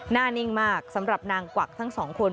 นิ่งมากสำหรับนางกวักทั้งสองคน